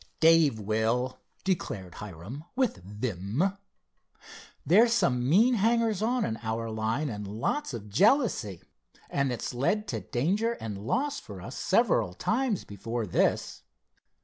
"Dave will," declared Hiram with vim. "There's some mean hangers on in our line, and lots of jealousy, and it's led to danger and loss for us several times before this.